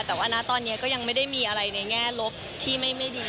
แต่ว่านะตอนนี้ก็ยังไม่ได้มีอะไรในแง่ลบที่ไม่ดี